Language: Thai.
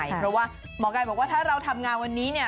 เพราะว่าหมอกายบอกว่าถ้าเราทำงานวันนี้เนี่ย